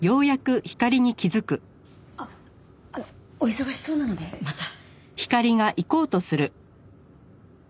あっお忙しそうなのでまた。